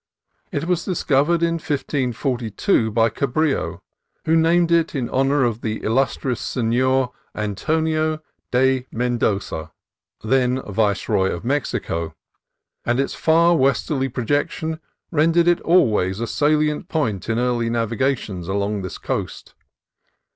It was dis covered in 1542 by Cabrillo, who named it in honor of " the illustrious senor " Antonio de Mendoza, then Viceroy of Mexico, and its far westerly projection rendered it always a salient point in early naviga tions along this coast.